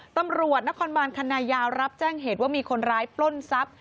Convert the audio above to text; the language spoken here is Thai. ตำรวจนครบานคันนายาวรับแจ้งเหตุว่ามีคนร้ายปล้นทรัพย์